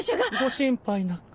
ご心配なく。